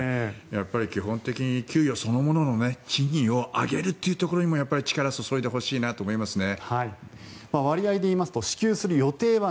やっぱり基本的に給与そのものの賃金を上げることにも力を注いでほしいなと思いますね。